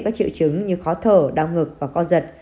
các triệu chứng như khó thở đau ngực và co giật